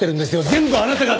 全部あなたが。